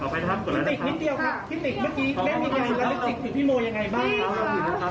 โอเคครับสวัสดีครับ